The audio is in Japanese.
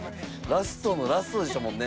ラストのラストでしたもんね。